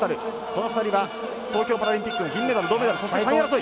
この２人が東京パラリンピックの銀メダル、銅メダル。